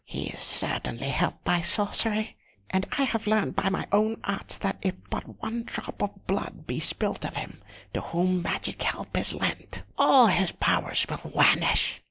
He is certainly helped by sorcery, and I have learnt by my own arts that if but one drop of blood be spilt of him to whom magic help is lent, all his powers will vanish.